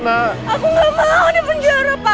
aku gak mau di penjara pak